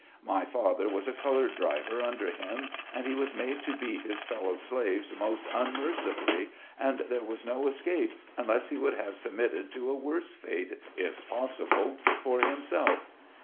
My father was a. colored driver under him, and he was made to beat his fellow slaves most unmercifully, and there was no escape, unless he would have submitted to a worse fate, if possible, for himself.